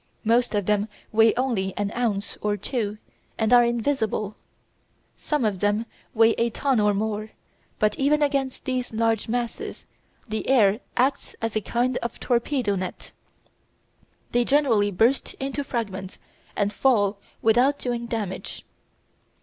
Most of them weigh only an ounce or two, and are invisible. Some of them weigh a ton or more, but even against these large masses the air acts as a kind of "torpedo net." They generally burst into fragments and fall without doing damage.